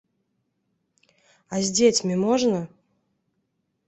А з дзецьмі можна?